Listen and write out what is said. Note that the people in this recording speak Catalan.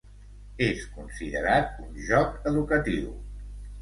És considerat un joc educatiu.